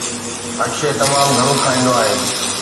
اڪشي تمام گهڻو کائيندو آهي